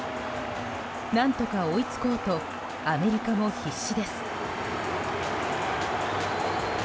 何とか追いつこうとアメリカも必死です。